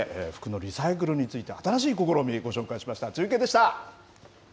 ということで、服のリサイクルについて、新しい試み、ご紹介しました。